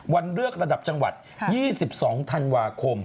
วันเลือกระดับจังหวัด๒๒ธันวาคม